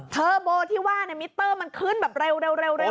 เทอร์โบที่ว่ามิเตอร์มันขึ้นแบบเร็ว